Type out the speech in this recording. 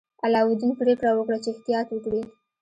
علاوالدین پریکړه وکړه چې احتیاط وکړي.